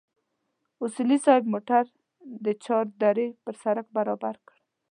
اصولي صیب موټر د چار درې پر سړک برابر کړ.